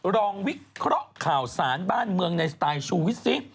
วิเคราะห์ข่าวสารบ้านเมืองในสไตล์ชูวิทซิ